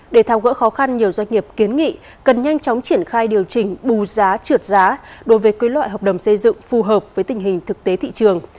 để thao gỡ khó khăn nhiều doanh nghiệp kiến nghị cần nhanh chóng triển khai điều chỉnh bù giá trượt giá đối với loại hợp đồng xây dựng phù hợp với tình hình thực tế thị trường